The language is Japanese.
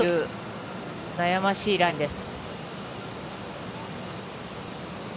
悩ましいラインです。